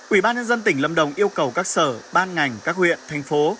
ủy ban nhân dân tỉnh lâm đồng yêu cầu các sở ban ngành các huyện thành phố